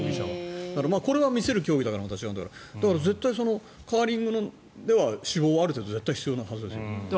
だからこれは見せる競技だからまた違うんだろうけどカーリングでは脂肪はある程度必要なはずですよ。